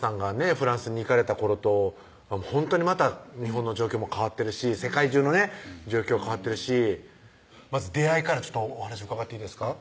フランスに行かれた頃とほんとにまた日本の状況も変わってるし世界中のね状況変わってるしまず出会いからちょっとお話伺っていいですか？